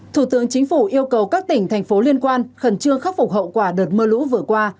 thủ tướng chính phủ yêu cầu các tỉnh thành phố liên quan khẩn trương khắc phục hậu quả đợt mưa lũ vừa qua